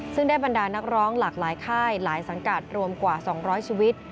ซึ่งได้บรรดานักร้องหลากหลายค่ายหลายสังกัดรวมกว่า๒๐๐ชีวิต